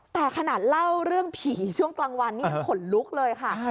แต่ขนาดเล่าเรื่องผีช่วงกลางวันนี้ยังขนลุกเลยค่ะ